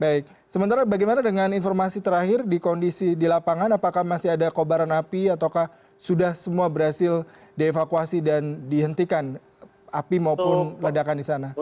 baik sementara bagaimana dengan informasi terakhir di kondisi di lapangan apakah masih ada kobaran api ataukah sudah semua berhasil dievakuasi dan dihentikan api maupun ledakan di sana